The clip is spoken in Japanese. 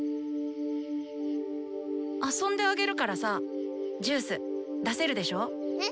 遊んであげるからさジュース出せるでしょ？え？え？